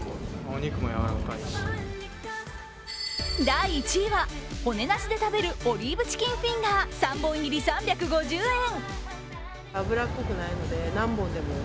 第１位は、骨なしで食べるオリーブチキンフィンガー、３本入り３５０円。